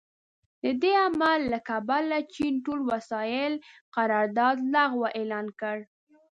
د دې عمل له کبله چین ټول وسايلو قرارداد لغوه اعلان کړ.